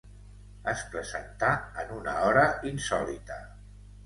Es presentà en una hora insòlita.